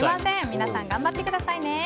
皆さん、頑張ってくださいね。